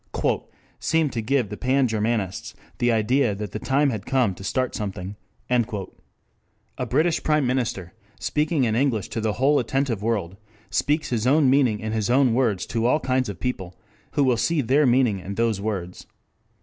] "seemed to give the Pan Germanists the idea that the time had come to start something." A British Prime Minister, speaking in English to the whole attentive world, speaks his own meaning in his own words to all kinds of people who will see their meaning in those words.